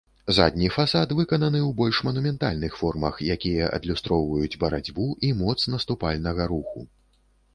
Задні фасад выкананы ў больш манументальных формах, якія адлюстроўваюць барацьбу і моц наступальнага руху.